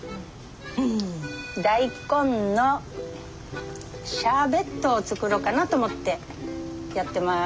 大根のシャーベットを作ろうかなと思ってやってます。